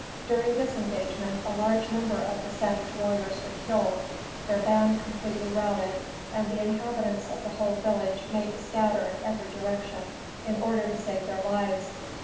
During this engagement, a large number of the savage warriors were killed, their band completely routed, and the inhabitants of the whole village made to scatter in every direction in order to save their lives.